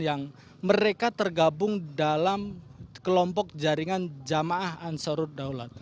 yang mereka tergabung dalam kelompok jaringan jamaah ansarut daulat